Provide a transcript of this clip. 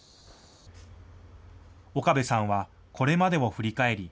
岡部さんはこれまでを振り返り